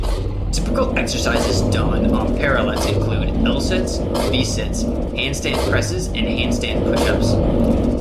Typical exercises done on parallettes include L-sits, V-sits, handstand presses and handstand pushups.